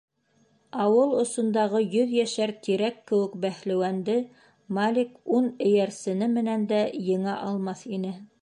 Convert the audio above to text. Ауыл осондағы йөҙйәшәр тирәк кеүек бәһлеүәнде Малик ун эйәрсене менән дә еңә алмаҫ ине.